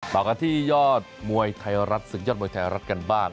ต่อกันที่ยอดมวยไทยรัฐศึกยอดมวยไทยรัฐกันบ้าง